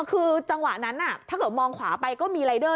คือจังหวะนั้นถ้าเกิดมองขวาไปก็มีรายเดอร์